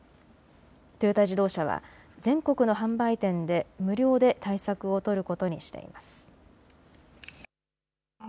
トヨタ自動車は全国の販売店で無料で対策を取ることにしています。